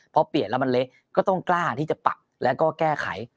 พอเปลี่ยนแล้วมันเละก็ต้องกล้าที่จะปรับแล้วก็แก้ไข